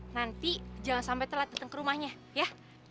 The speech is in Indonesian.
nanti jangan sampai telat datang ke rumahnya ya